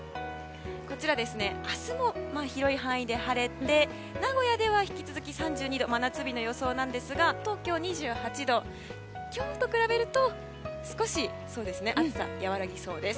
明日も広い範囲で晴れて名古屋では引き続き３２度の真夏日予想ですが東京は２８度今日と比べると少し暑さが和らぎそうです。